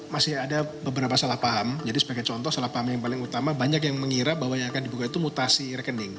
masih ada beberapa salah paham jadi sebagai contoh salah paham yang paling utama banyak yang mengira bahwa yang akan dibuka itu mutasi rekening